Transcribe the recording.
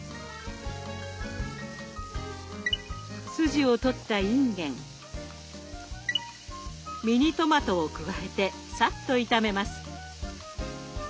筋を取ったいんげんミニトマトを加えてサッと炒めます。